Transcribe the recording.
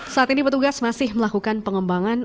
saat ini petugas masih melakukan pengembangan